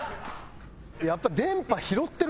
やっぱり。